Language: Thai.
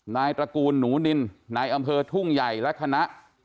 ตระกูลหนูนินนายอำเภอทุ่งใหญ่และคณะ